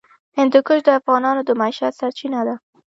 هندوکش د افغانانو د معیشت سرچینه ده.